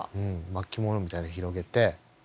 巻物みたいなの広げて。